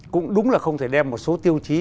cũng đúng là không thể đem một số tiêu chí